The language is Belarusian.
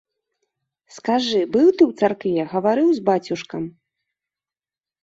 Скажы, быў ты ў царкве, гаварыў з бацюшкам?